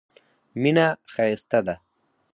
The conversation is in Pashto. مینه ښایسته ده.